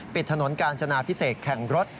ปิดถนนกาญจนาพิเศษแข่งรถ